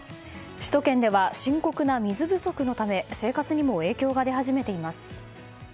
首都圏では深刻な水不足のため生活にも影響が出始めています。